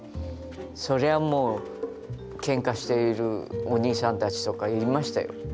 そりゃもうけんかしているお兄さんたちとかいましたよ。